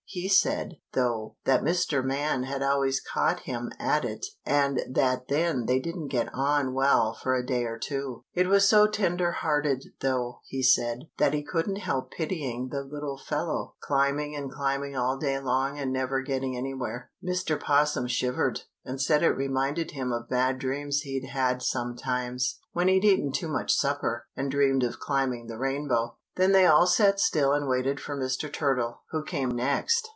He said, though, that Mr. Man had always caught him at it and that then they didn't get on well for a day or two. He was so tender hearted, though, he said, that he couldn't help pitying the little fellow, climbing and climbing all day long and never getting anywhere. Mr. 'Possum shivered, and said it reminded him of bad dreams he'd had sometimes, when he'd eaten too much supper, and dreamed of climbing the rainbow. Then they all sat still and waited for Mr. Turtle, who came next.